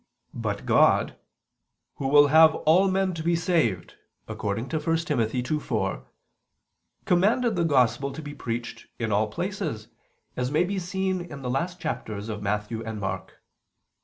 But God, "Who will have all men to be saved" (1 Tim. 2:4), commanded the Gospel to be preached in all places, as may be seen in the last chapters of Matthew and Mark.